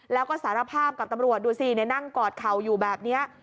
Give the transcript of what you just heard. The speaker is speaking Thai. แล้วก็สารภาพกับตำรวจดูสินั่งกอดเข่าอยู่แบบนี้